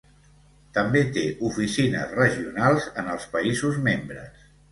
També té oficines regionals en els països membres.